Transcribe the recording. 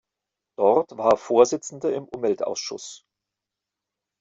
Dort war er Vorsitzender im Umweltausschuss.